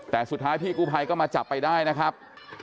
แต่สุดท้ายพี่กู้ภัยก็มาจับไปได้นะครับ